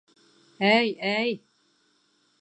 Әй, әй!